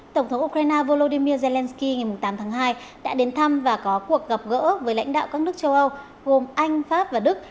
tổng thống ukraine volodymyr zelensky ngày tám tháng hai đã đến thăm và có cuộc gặp gỡ với lãnh đạo các nước châu âu gồm anh pháp và đức